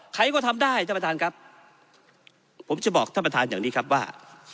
ใครก็ทำได้ท่านประธานครับผมจะบอกท่านประธานอย่างนี้ครับว่า